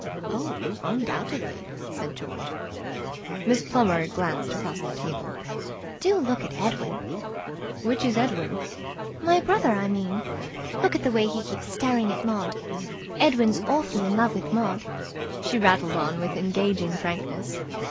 "Oh, undoubtedly," said George. Miss Plummer glanced across the table. "Do look at Edwin!" "Which is Edwin?" "My brother, I mean. Look at the way he keeps staring at Maud. Edwin's awfully in love with Maud," she rattled on with engaging frankness.